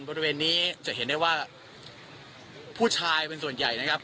บริเวณนี้จะเห็นได้ว่าผู้ชายเป็นส่วนใหญ่นะครับ